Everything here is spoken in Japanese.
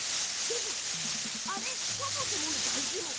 でも、そもそもの大疑問。